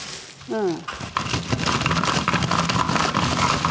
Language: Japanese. うん。